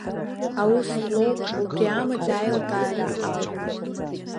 Аус злоу убри амаӡа аилкаара ауп.